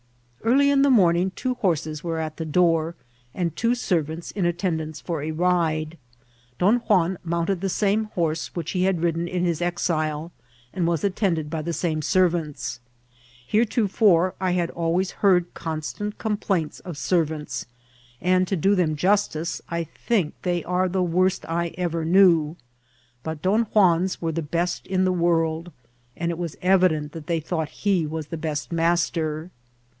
Early in the morning two horses were at the door, and two servants in attendance for a ride. Don Juan mounted the same horse which he had ridden in his exile, and was attended by the same servants. Here tofore I had always heard constant complaints of ser vants, and to do them justice, I think they are the worst I ever knew ; but Don Juan's were the best in the world, and it was evident that they thought he was the best master.